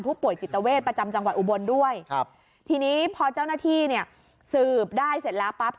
ผู้ป่วยจิตเวทประจำจังหวัดอุบลด้วยครับทีนี้พอเจ้าหน้าที่เนี่ยสืบได้เสร็จแล้วปั๊บ